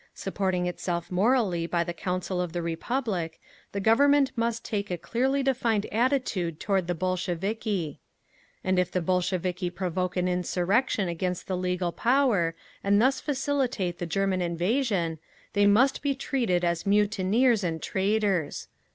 Supporting itself morally by the Council of the Republic, the Government must take a clearly defined attitude toward the Bolsheviki…. "And if the Bolsheviki provoke an insurrection against the legal power, and thus facilitate the German invasion, they must be treated as mutineers and traitors…."